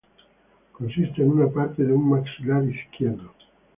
Consiste en una parte de un maxilar izquierdo.